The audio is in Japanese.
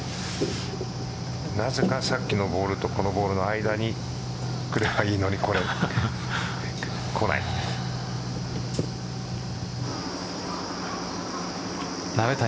なぜかさっきのボールとこのボールの間に来ればいいのに鍋谷、